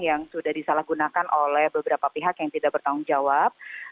yang sudah disalahgunakan oleh beberapa pihak yang tidak bertanggung jawab